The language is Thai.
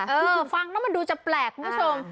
คือฟังแล้วมันดูจะแปลกคุณผู้ชม